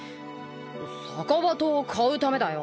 逆刃刀を買うためだよ。